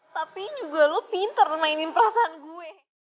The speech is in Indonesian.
tapi juga lo pinter mainin perasaan gue